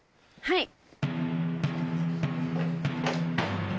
はい。